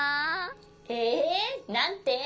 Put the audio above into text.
ええなんて？